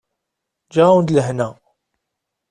Ǧǧiɣ-awen-d lehna.